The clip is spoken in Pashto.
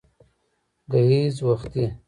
گهيځ وختي